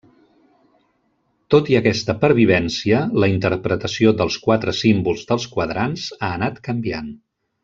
Tot i aquesta pervivència, la interpretació dels quatre símbols dels quadrants ha anat canviant.